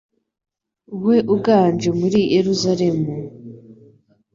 we uganje muri Yeruzalemu